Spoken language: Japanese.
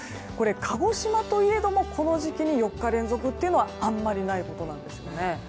鹿児島といえどもこの時期に４日連続というのはあんまりないことなんですよね。